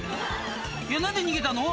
いや何で逃げたの？